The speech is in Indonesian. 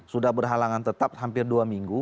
sudah berhalangan tetap hampir dua minggu